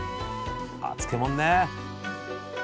あ漬物ね。